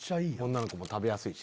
女の子も食べやすいしな。